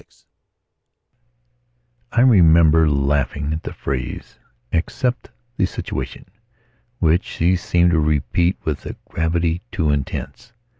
VI I REMEMBER laughing at the phrase, "accept the situation", which she seemed to repeat with a gravity too intense.